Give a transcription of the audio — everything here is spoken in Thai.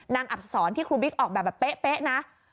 อับสอนที่ครูบิ๊กออกแบบแบบเป๊ะนะ